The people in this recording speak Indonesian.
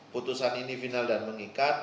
putusan ini final dan mengikat